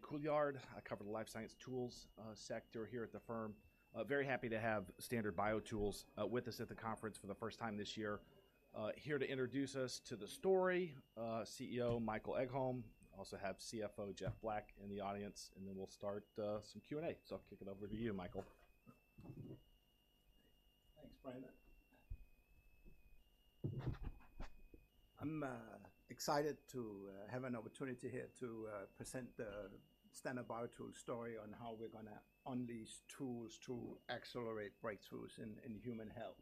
Couillard. I cover the Life Science Tools sector here at the firm. Very happy to have Standard BioTools with us at the conference for the first time this year. Here to introduce us to the story, CEO Michael Egholm. Also have CFO Jeff Black in the audience, and then we'll start some Q&A. So I'll kick it over to you, Michael. Thanks, Brandon. I'm excited to have an opportunity here to present the Standard BioTools story on how we're gonna unleash tools to accelerate breakthroughs in human health.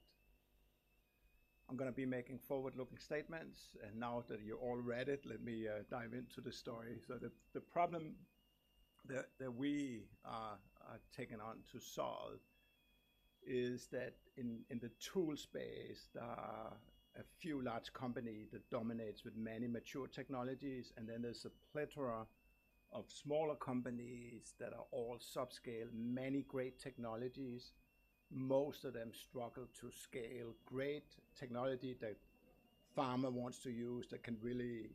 I'm gonna be making forward-looking statements, and now that you all read it, let me dive into the story. So the problem that we are taking on to solve is that in the tool space, there are a few large company that dominates with many mature technologies, and then there's a plethora of smaller companies that are all subscale, many great technologies. Most of them struggle to scale great technology that pharma wants to use, that can really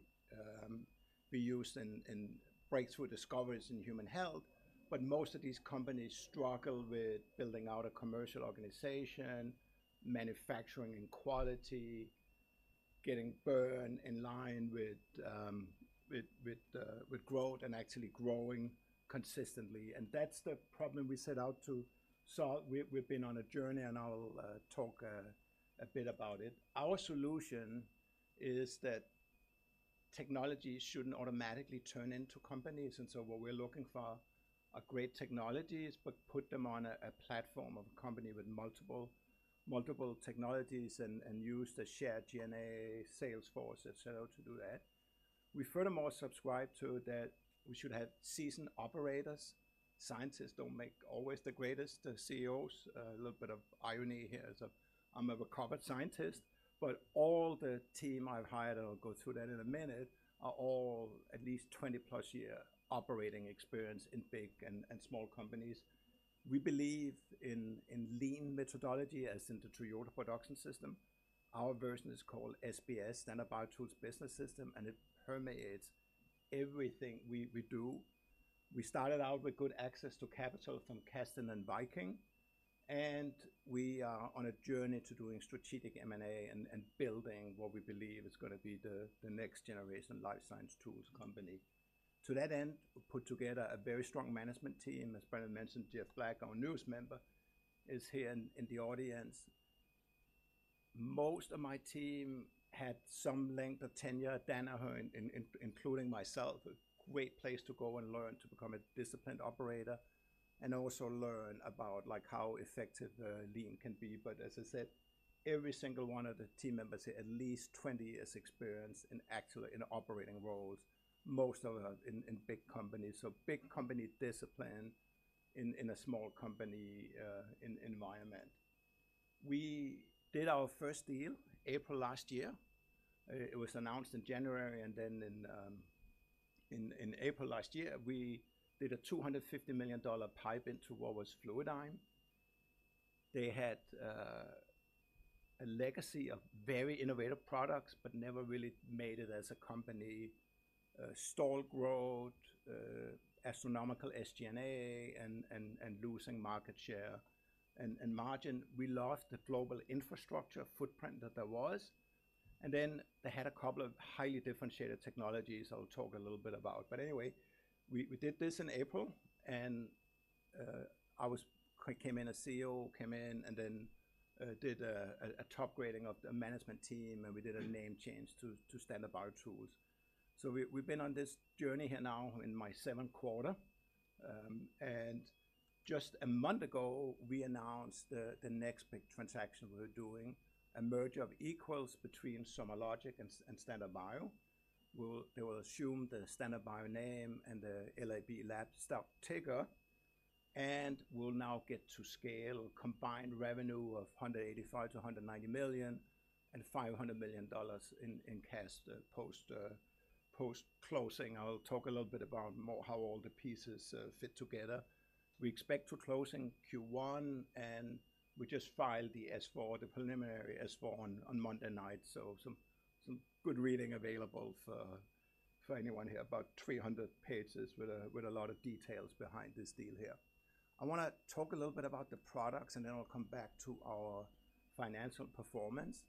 be used in breakthrough discoveries in human health. But most of these companies struggle with building out a commercial organization, manufacturing and quality, getting burn in line with growth and actually growing consistently, and that's the problem we set out to solve. We've been on a journey, and I'll talk a bit about it. Our solution is that technologies shouldn't automatically turn into companies, and so what we're looking for are great technologies, but put them on a platform of a company with multiple technologies and use the shared SG&A sales force et cetera, to do that. We furthermore subscribe to that we should have seasoned operators. Scientists don't make always the greatest CEOs. A little bit of irony here is that I'm a recovered scientist, but all the team I've hired, and I'll go through that in a minute, are all at least 20+ year operating experience in big and small companies. We believe in lean methodology, as in the Toyota Production System. Our version is called SBS, Standard BioTools Business System, and it permeates everything we do. We started out with good access to capital from Casdin and Viking, and we are on a journey to doing strategic M&A and building what we believe is gonna be the next generation life science tools company. To that end, we put together a very strong management team. As Brandon mentioned, Jeff Black, our newest member, is here in the audience. Most of my team had some length of tenure at Danaher, including myself. A great place to go and learn to become a disciplined operator and also learn about, like, how effective lean can be. But as I said, every single one of the team members here, at least 20 years experience in actually in operating roles, most of them in big companies. So big company discipline in a small company environment. We did our first deal April last year. It was announced in January, and then in April last year, we did a $250 million pipe into what was Fluidigm. They had a legacy of very innovative products, but never really made it as a company. Stalled growth, astronomical SG&A, and losing market share and margin. We lost the global infrastructure footprint that there was, and then they had a couple of highly differentiated technologies I'll talk a little bit about. But anyway, we did this in April, and I came in as CEO, came in, and then did a top grading of the management team, and we did a name change to Standard BioTools. So we've been on this journey here now in my seventh quarter. And just a month ago, we announced the next big transaction. We're doing a merger of equals between SomaLogic and Standard BioTools. They will assume the Standard BioTools name and the LAB stock ticker, and we'll now get to scale combined revenue of $185 million-$190 million, and $500 million in cash post-closing. I'll talk a little bit about more how all the pieces fit together. We expect to close in Q1, and we just filed the S4, the preliminary S4, on Monday night, so some good reading available for anyone here. About 300 pages with a lot of details behind this deal here. I wanna talk a little bit about the products, and then I'll come back to our financial performance.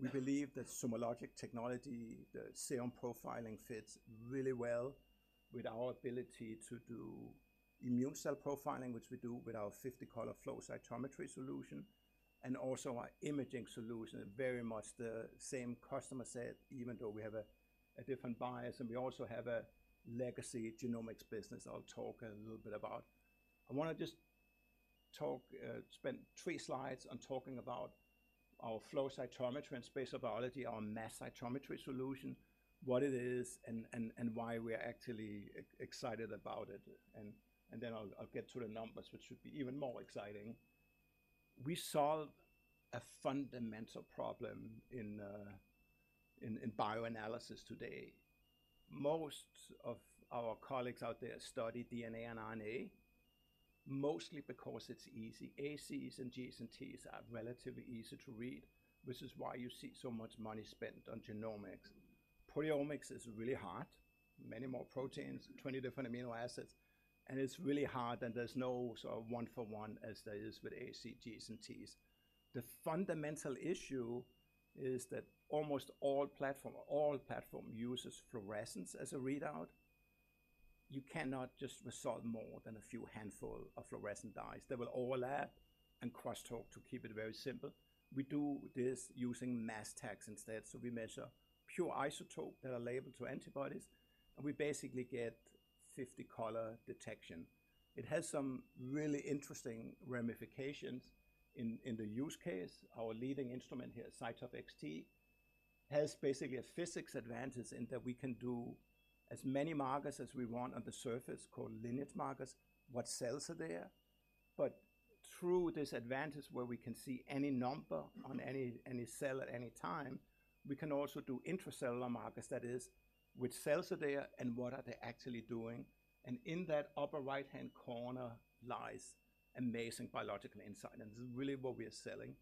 We believe that SomaLogic technology, the Serum Profiling, fits really well with our ability to do immune cell profiling, which we do with our 50-color flow cytometry solution, and also our imaging solution is very much the same customer set, even though we have a different bias, and we also have a legacy genomics business I'll talk a little bit about. I wanna just talk. Spend three slides on talking about our Flow Cytometry and Spatial Biology, our Mass Cytometry Solution, what it is, and why we're actually excited about it. And then I'll get to the numbers, which should be even more exciting. We solve a fundamental problem in bioanalysis today. Most of our colleagues out there study DNA and RNA, mostly because it's easy. A, Cs, and Gs, and Ts are relatively easy to read, which is why you see so much money spent on genomics. Proteomics is really hard. Many more proteins, 20 different amino acids, and it's really hard, and there's no sort of one for one as there is with A, Cs, Gs, and Ts. The fundamental issue is that almost all platforms use fluorescence as a readout. You cannot just resolve more than a few handful of fluorescent dyes. They will overlap and cross talk, to keep it very simple. We do this using mass tags instead, so we measure pure isotope that are labeled to antibodies, and we basically get 50 color detection. It has some really interesting ramifications in the use case. Our leading instrument here, CyTOF XT, has basically a physics advantage in that we can do as many markers as we want on the surface, called lineage markers, what cells are there. But through this advantage, where we can see any number on any cell at any time, we can also do intracellular markers. That is, which cells are there and what are they actually doing? In that upper right-hand corner lies amazing biological insight, and this is really what we are selling.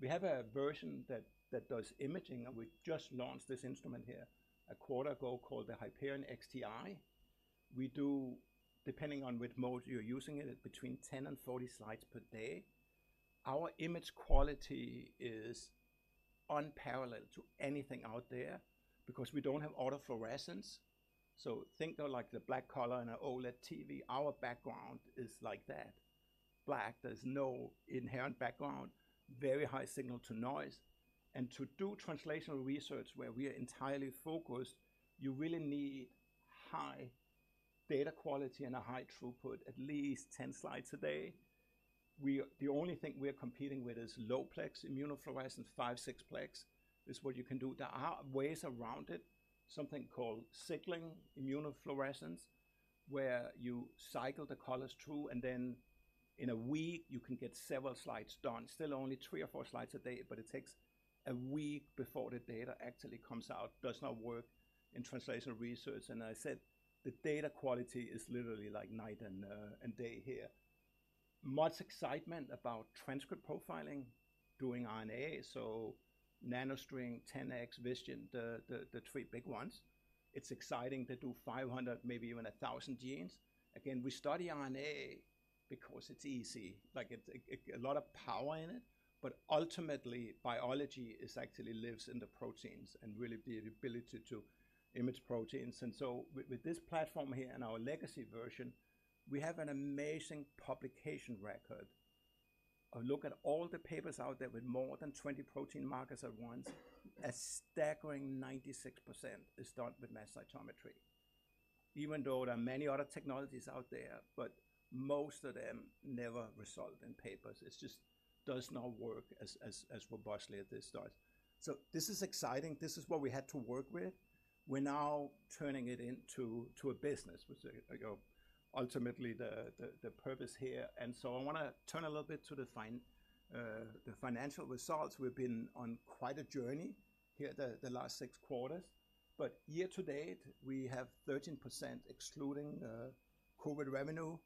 We have a version that does imaging, and we just launched this instrument here a quarter ago, called the Hyperion XTi. We do, depending on which mode you're using it, between 10 and 40 slides per day. Our image quality is unparalleled to anything out there because we don't have autofluorescence. So think of like the black color on an OLED TV. Our background is like that, black. There's no inherent background, very high signal-to-noise. And to do translational research, where we are entirely focused, you really need high data quality and a high throughput, at least 10 slides a day. We, the only thing we are competing with is low plex immunofluorescence,5-plex, 6-plex is what you can do. There are ways around it, something called cyclic immunofluorescence, where you cycle the colors through, and then in a week, you can get several slides done. Still only three or four slides a day, but it takes a week before the data actually comes out. Does not work in translational research, and I said the data quality is literally like night and and day here. Much excitement about transcript profiling, doing RNA, so NanoString 10x Visium, the three big ones. It's exciting to do 500, maybe even 1,000 genes. Again, we study RNA because it's easy, like it's a lot of power in it, but ultimately, biology is actually lives in the proteins and really the ability to image proteins. And so with this platform here and our legacy version, we have an amazing publication record. A look at all the papers out there with more than 20 protein markers at once, a staggering 96% is done with mass cytometry. Even though there are many other technologies out there, but most of them never resolve in papers. It just does not work as robustly as this does. So this is exciting. This is what we had to work with. We're now turning it into a business, which is, like, ultimately the purpose here. And so I want to turn a little bit to the financial results. We've been on quite a journey here the last six quarters. But year to date, we have 13%, excluding COVID revenue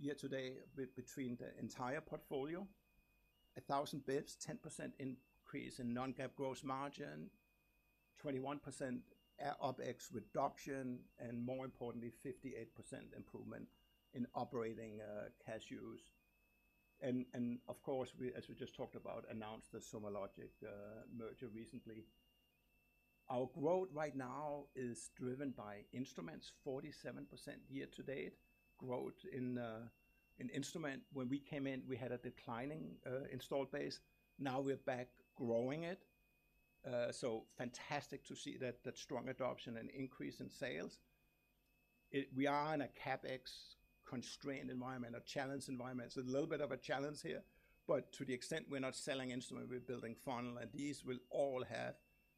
year to date between the entire portfolio. 1,000 bps, 10% increase in non-GAAP gross margin, 21% OpEx reduction, and more importantly, 58% improvement in operating cash use. And of course, we, as we just talked about, announced the SomaLogic merger recently. Our growth right now is driven by instruments. 47% year-to-date growth in instrument. When we came in, we had a declining installed base. Now we're back growing it. So fantastic to see that strong adoption and increase in sales. We are in a CapEx-constrained environment, a challenged environment, so a little bit of a challenge here. But to the extent we're not selling instrument, we're building funnel, and these will all have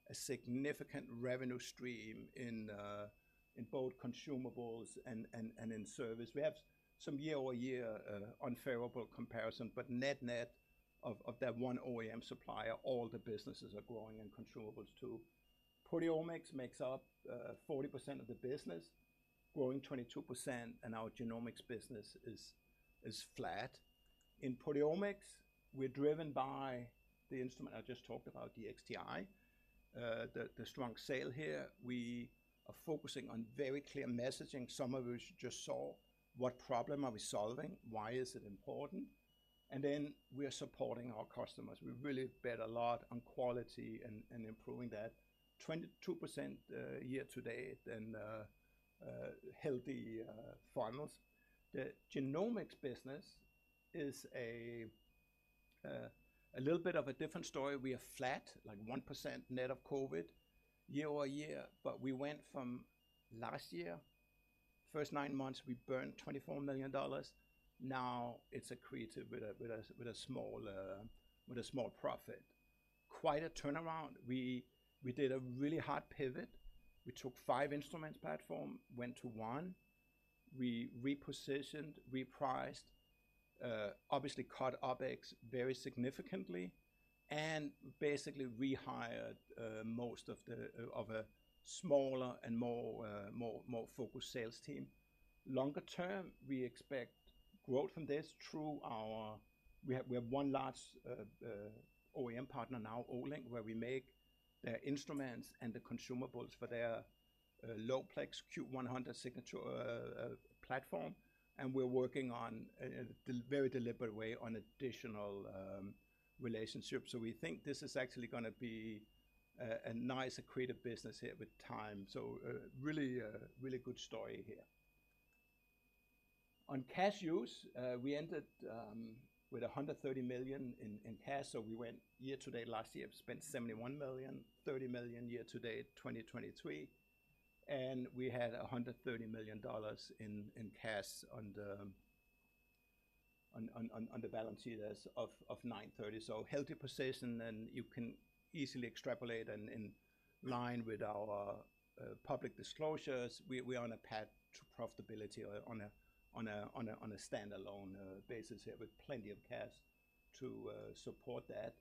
a significant revenue stream in both consumables and in service. We have some year-over-year unfavorable comparison, but net-net of that one OEM supplier, all the businesses are growing in consumables too. Proteomics makes up 40% of the business, growing 22%, and our Genomics business is flat. In proteomics, we're driven by the instrument I just talked about, the XTi, the strong sale here. We are focusing on very clear messaging. Some of which just saw, what problem are we solving? Why is it important? And then we are supporting our customers. We really bet a lot on quality and improving that. 22% year to date and healthy funnels. The genomics business is a little bit of a different story. We are flat, like 1% net of COVID year-over-year, but we went from last year, first nine months, we burned $24 million. Now, it's accretive with a small profit. Quite a turnaround. We did a really hard pivot. We took five instruments platform, went to one. We repositioned, repriced, obviously cut OpEx very significantly and basically rehired most of a smaller and more focused sales team. Longer term, we expect growth from this through our—we have one large OEM partner now, Olink, where we make their instruments and the consumables for their low-plex Q100 Signature platform. And we're working on, in a very deliberate way, on additional relationships. So we think this is actually gonna be a nice accretive business here with time. So, really, a really good story here. On cash use, we ended with $130 million in cash. So we went year-to-date last year, spent $71 million, $30 million year to date, 2023, and we had $130 million in cash on the balance sheet as of 30, September. So healthy position, and you can easily extrapolate and in line with our public disclosures, we are on a path to profitability or on a standalone basis here, with plenty of cash to support that.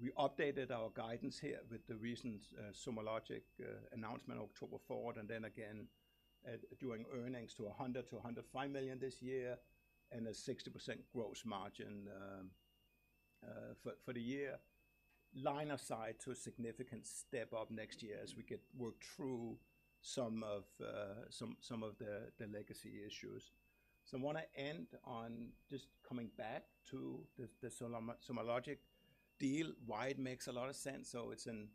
We updated our guidance here with the recent SomaLogic announcement October forward, and then again, at doing earnings to $100 million-$105 million this year and a 60% gross margin, for the year. Line of sight to a significant step-up next year as we work through some of the legacy issues. So I want to end on just coming back to the SomaLogic deal, why it makes a lot of sense. So it's an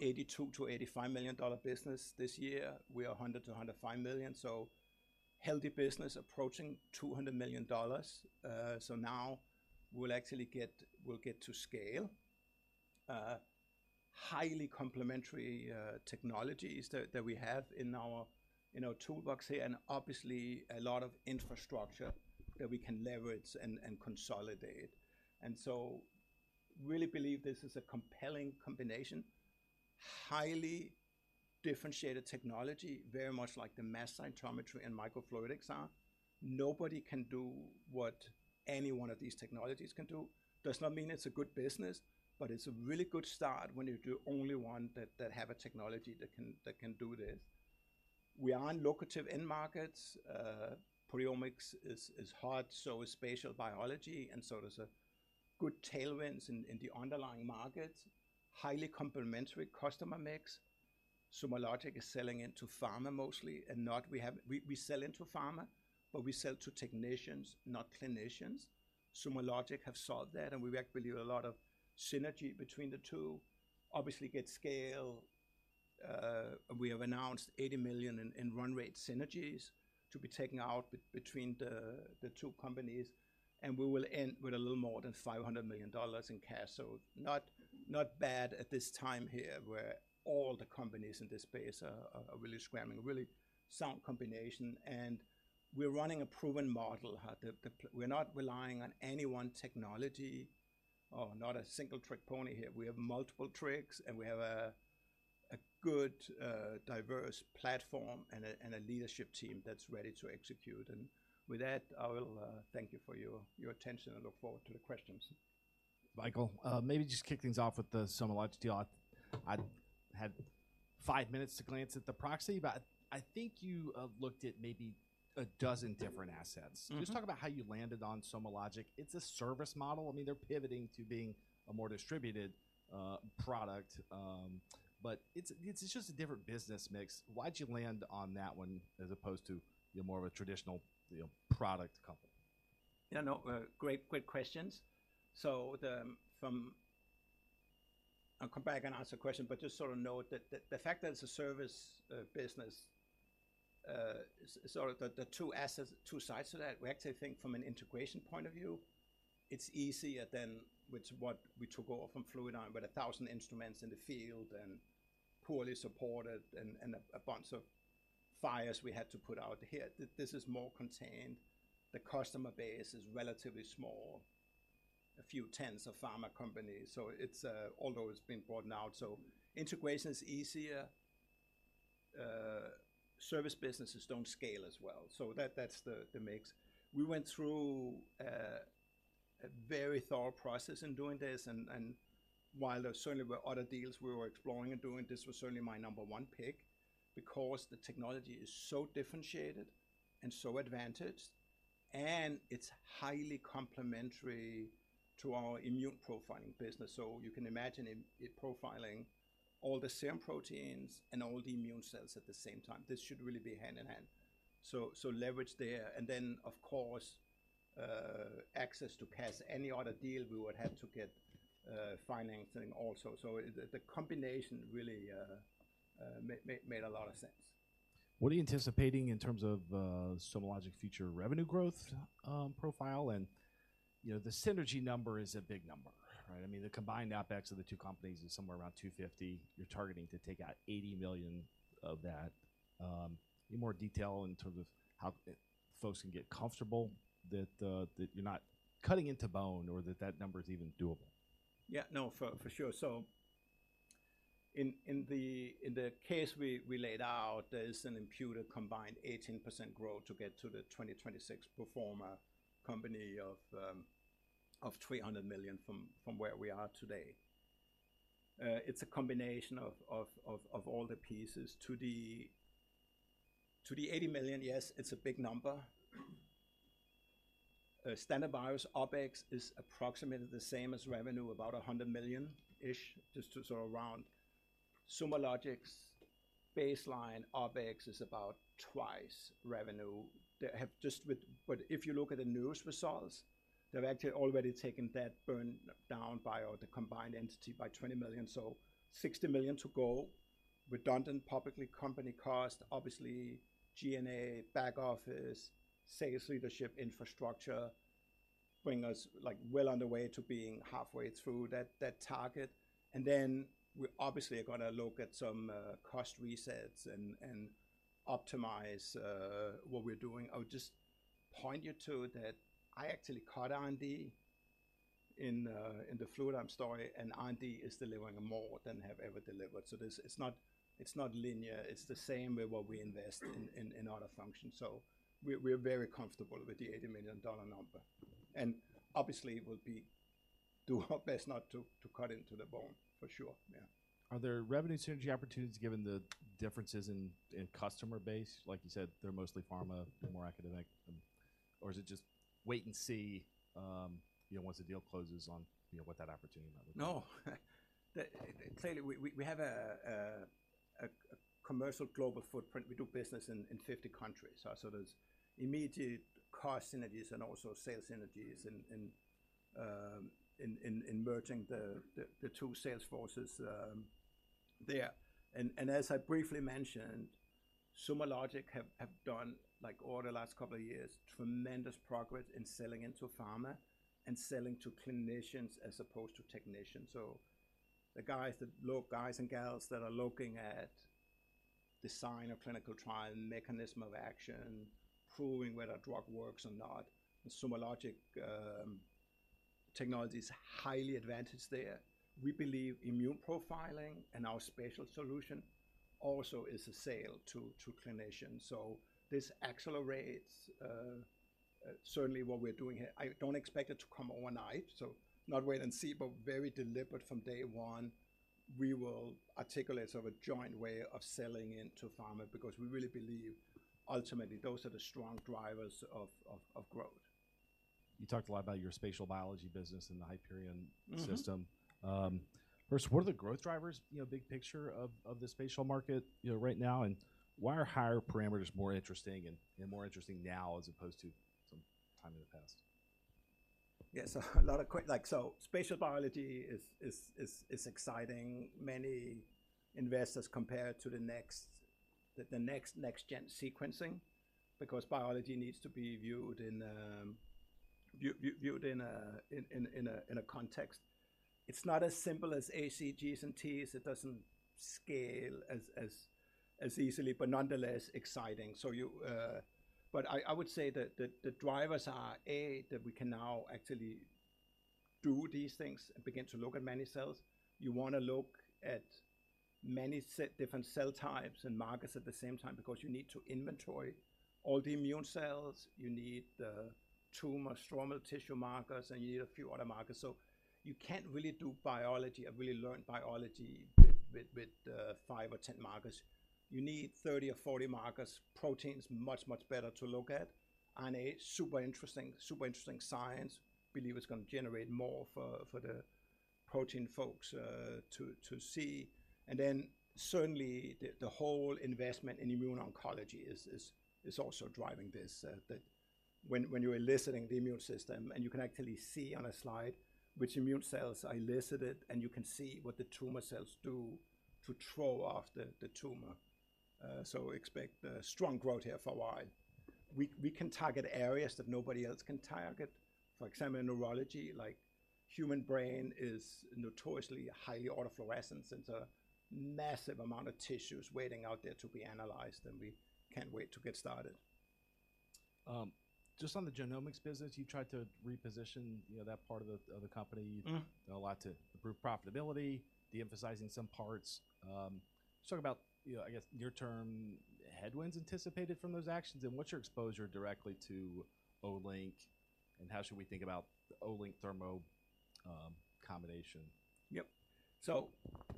$82 million-$85 million business this year. We are $100 million-$105 million, so healthy business approaching $200 million. So now we'll actually get to scale. Highly complementary technologies that we have in our toolbox here, and obviously a lot of infrastructure that we can leverage and consolidate. So really believe this is a compelling combination. Highly differentiated technology, very much like the mass cytometry and microfluidics are. Nobody can do what any one of these technologies can do. Does not mean it's a good business, but it's a really good start when you're the only one that have a technology that can do this. We are in lucrative end markets. Proteomics is hard, so is spatial biology, and so there's good tailwinds in the underlying markets. Highly complementary customer mix. SomaLogic is selling into pharma mostly, and we have—we sell into pharma, but we sell to technicians, not clinicians. SomaLogic have solved that, and we actually believe a lot of synergy between the two. Obviously, get scale. We have announced $80 million in run rate synergies to be taken out between the two companies, and we will end with a little more than $500 million in cash. So not bad at this time here, where all the companies in this space are really scrambling. Really sound combination, and we're running a proven model. We're not relying on any one technology or not a single trick pony here. We have multiple tricks, and we have a good diverse platform and a leadership team that's ready to execute. And with that, I will thank you for your attention and look forward to the questions. Michael, maybe just kick things off with the SomaLogic deal. I had five minutes to glance at the proxy, but I think you looked at maybe a dozen different assets. Mm-hmm. Just talk about how you landed on SomaLogic. It's a service model. I mean, they're pivoting to being a more distributed product, but it's, it's just a different business mix. Why'd you land on that one as opposed to, you know, more of a traditional, you know, product company? Yeah, no, great, great questions. I'll come back and answer a question, but just sort of note that the, the fact that it's a service, business, sort of the, the two assets, two sides to that, we actually think from an integration point of view, it's easier than with what we took over from Fluidigm, with 1,000 instruments in the field and poorly supported and, and a bunch of fires we had to put out. Here, this is more contained. The customer base is relatively small, a few tens of pharma companies, so it's... although it's been broadened out, so integration is easier. Service businesses don't scale as well, so that's the, the mix. We went through a very thorough process in doing this, and while there certainly were other deals we were exploring and doing, this was certainly my number one pick, because the technology is so differentiated and so advantaged, and it's highly complementary to our immune profiling business. So you can imagine it profiling all the same proteins and all the immune cells at the same time. This should really be hand in hand. So leverage there, and then, of course, access to cash. Any other deal, we would have to get financing also. So the combination really made a lot of sense. What are you anticipating in terms of, SomaLogic future revenue growth, profile? And, you know, the synergy number is a big number, right? I mean, the combined OpEx of the two companies is somewhere around $250 million. You're targeting to take out $80 million of that. Any more detail in terms of how folks can get comfortable that, that you're not cutting into bone or that that number is even doable? Yeah. No, for sure. In the case we laid out, there is an imputed combined 18% growth to get to the 2026 pro forma company of $300 million from where we are today. It's a combination of all the pieces. To the $80 million, yes, it's a big number. Standard BioTools OpEx is approximately the same as revenue, about $100 million-ish, just to sort around. SomaLogic's baseline OpEx is about twice revenue. They have just with-- But if you look at the news results, they've actually already taken that burn down by, or the combined entity, by $20 million. So $60 million to go. Redundant public company costs, obviously SG&A, back office, sales leadership, infrastructure, bring us like well underway to being halfway through that target. And then we obviously are gonna look at some cost resets and, and optimize what we're doing. I would just point you to that I actually cut R&D in the Fluidigm story, and R&D is delivering more than have ever delivered. So there's, it's not, it's not linear. It's the same way what we invest in other functions. So we're, we're very comfortable with the $80 million number, and obviously, we'll be, do our best not to cut into the bone, for sure. Yeah. Are there revenue synergy opportunities, given the differences in customer base? Like you said, they're mostly pharma, more academic. Or is it just wait and see, you know, once the deal closes on, you know, what that opportunity level? No. Clearly, we have a commercial global footprint. We do business in 50 countries. So there's immediate cost synergies and also sales synergies in merging the two sales forces there. And as I briefly mentioned, SomaLogic have done, like, over the last couple of years, tremendous progress in selling into pharma and selling to clinicians as opposed to technicians. So the guys that look guys and gals that are looking at design of clinical trial, mechanism of action, proving whether a drug works or not, SomaLogic technology is highly advantaged there. We believe immune profiling and our spatial solution also is a sale to clinicians, so this accelerates certainly what we're doing here. I don't expect it to come overnight, so not wait and see, but very deliberate from day one. We will articulate sort of a joint way of selling into pharma because we really believe ultimately those are the strong drivers of growth. You talked a lot about your spatial biology business and the Hyperion- Mm-hmm. System. First, what are the growth drivers, you know, big picture of, of the spatial market, you know, right now? And why are higher parameters more interesting and, and more interesting now, as opposed to some time in the past? Yeah, so like, so spatial biology is exciting many investors compared to the next next-gen sequencing, because biology needs to be viewed in a context. It's not as simple as A, C, Gs, and Ts. It doesn't scale as easily, but nonetheless exciting. So you... But I would say that the drivers are, A, that we can now actually do these things and begin to look at many cells. You wanna look at many cell, different cell types and markers at the same time, because you need to inventory all the immune cells, you need the tumor, stromal tissue markers, and you need a few other markers. So you can't really do biology or really learn biology with five or ten markers. You need 30 or 40 markers. Protein's much, much better to look at, and a super interesting, super interesting science. Believe it's gonna generate more for the protein folks to see. And then certainly the whole investment in immune oncology is also driving this. That when you are eliciting the immune system, and you can actually see on a slide which immune cells are elicited, and you can see what the tumor cells do to throw off the tumor. So expect a strong growth here for a while. We can target areas that nobody else can target. For example, in neurology, like, human brain is notoriously highly autofluorescent, and it's a massive amount of tissues waiting out there to be analyzed, and we can't wait to get started. Just on the genomics business, you tried to reposition, you know, that part of the company- Mm. A lot to improve profitability, de-emphasizing some parts. Just talk about, you know, I guess short-term headwinds anticipated from those actions, and what's your exposure directly to Olink, and how should we think about the Olink-Thermo combination? Yep. So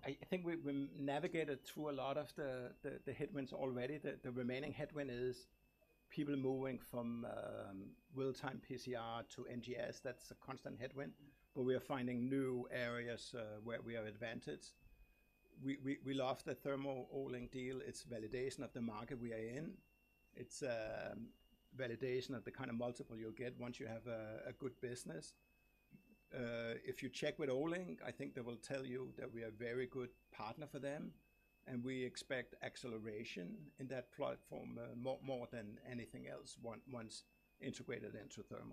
I think we navigated through a lot of the headwinds already. The remaining headwind is people moving from real-time PCR to NGS. That's a constant headwind, but we are finding new areas where we are advantaged. We love the Thermo Olink deal. It's validation of the market we are in. It's validation of the kind of multiple you'll get once you have a good business. If you check with Olink, I think they will tell you that we are very good partner for them, and we expect acceleration in that platform more than anything else once integrated into Thermo.